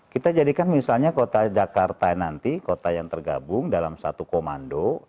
kita jadikan misalnya kota jakarta nanti kota yang tergabung dalam satu komando